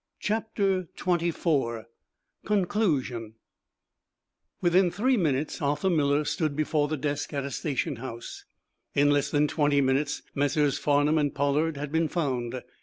CHAPTER XXIV CONCLUSION Within three minutes Arthur Miller stood before the desk at a station house. In less than twenty minutes Messrs. Farnum and Pollard had been found.